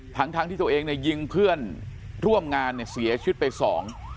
ทั้งทั้งที่ตัวเองเนี่ยยิงเพื่อนร่วมงานเนี่ยเสียชีวิตไปสอง